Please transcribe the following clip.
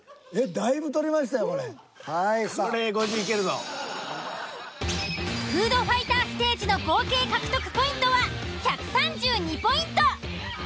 これフードファイターステージの合計獲得ポイントは１３２ポイント。